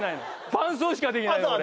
伴奏しかできないの俺。